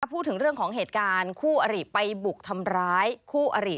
พูดถึงเรื่องของเหตุการณ์คู่อริไปบุกทำร้ายคู่อริ